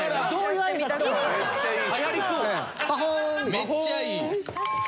めっちゃいい。